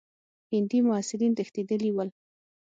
هندي محصلین تښتېدلي ول.